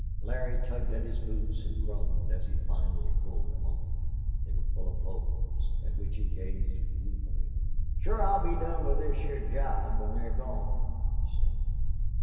Larry tugged at his boots and groaned as he finally pulled them off. They were full of holes, at which he gazed ruefully. "Shore I'll be done with this heah job when they're gone," he said.